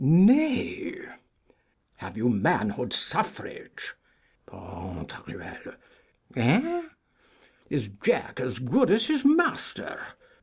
Nay Have you manhood suffrage? Pan.: Eh? Is Jack as good as his master?